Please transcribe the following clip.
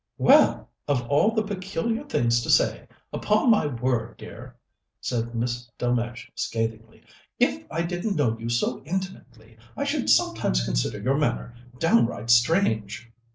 "Well! Of all the peculiar things to say! Upon my word, dear," said Miss Delmege scathingly, "if I didn't know you so intimately, I should sometimes consider your manner downright strange!"